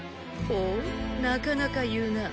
ほうなかなか言うな。